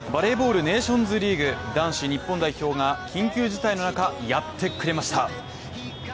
バレーボールネーションズリーグ男子日本代表が緊急事態の中、やってくれました